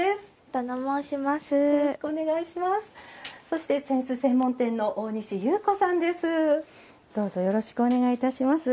そして扇子専門店の大西優子さんです。